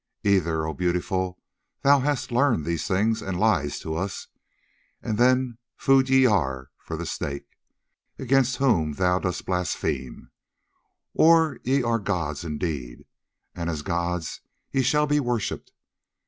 Either, O Beautiful, thou hast learned these things and liest to us, and then food are ye all for the Snake against whom thou dost blaspheme, or ye are gods indeed, and as gods ye shall be worshipped.